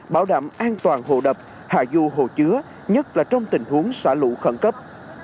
bảo đảm an toàn hồ đập hạ du hồ chứa nhất là trong tình huống xả lũ khẩn cấp